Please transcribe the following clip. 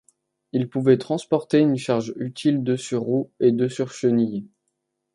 Il pouvait transporter une charge utile de sur roues, et de sur chenilles.